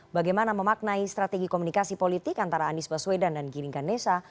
bagaimana memaknai strategi komunikasi politik antara anies baswedan dan giring ganesa